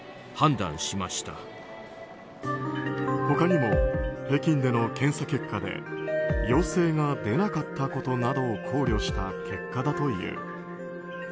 他にも北京での検査結果で陽性が出なかったことなどを考慮した結果だという。